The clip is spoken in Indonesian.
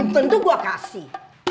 tentu gua kasih